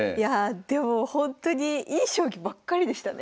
でもほんとにいい将棋ばっかりでしたね。